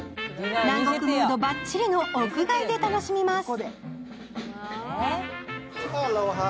南国ムードばっちりの屋外で楽しみます。